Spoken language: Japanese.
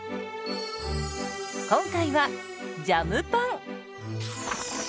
今回はジャムパン。